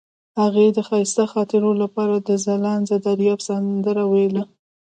هغې د ښایسته خاطرو لپاره د ځلانده دریاب سندره ویله.